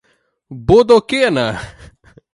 Bodoquena